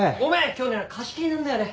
今日ね貸し切りなんだよね。